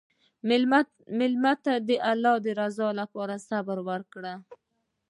مېلمه ته د الله رضا لپاره صبر وکړه.